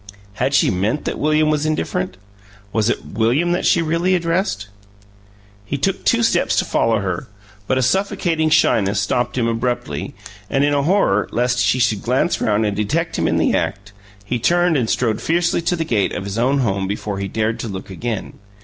Had she meant that William was indifferent? Was it William that she really addressed? He took two steps to follow her, but a suffocating shyness stopped him abruptly and, in a horror lest she should glance round and detect him in the act, he turned and strode fiercely to the gate of his own home before he dared to look again.